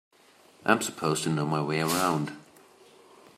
I'm supposed to know my way around.